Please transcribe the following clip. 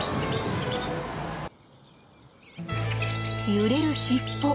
揺れる尻尾。